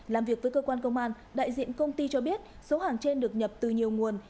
làm việc với cơ quan công an đại diện công ty cho biết số hàng trên được nhập từ nhiều nguồn